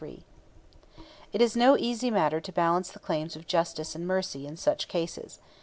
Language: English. '" It is no easy matter to balance the claims of justice and mercy in such cases.